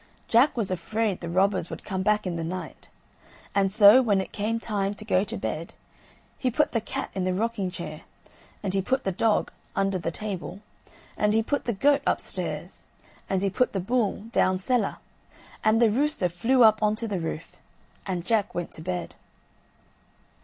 Jack was afraid the robbers would come back in the night, and so when it came time to go to bed he put the cat in the rocking chair, and he put the dog under the table, and he put the goat upstairs, and he put the bull down cellar, and the rooster flew up on to the roof, and Jack went to bed.